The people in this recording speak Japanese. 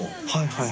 はい。